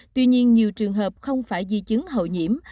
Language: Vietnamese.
tuy nhiên nhiều trường hợp không phải di chứng hậu nhiễm